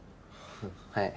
はい。